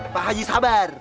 pak haji sabar